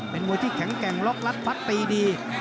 เป็นมวยที่แข็งแกร่งล็อกรัดฟัดตีดี